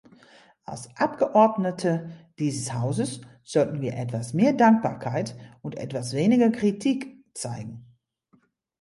Als Abgeordnete dieses Hauses sollten wir etwas mehr Dankbarkeit und etwas weniger Kritik zeigen.